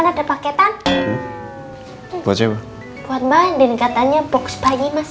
buat mbak dan katanya box bayi mas